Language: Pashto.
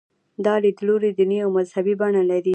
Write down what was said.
دا لیدلوری دیني او مذهبي بڼه لري.